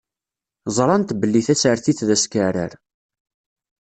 Ẓṛant belli tasertit d askeɛrer.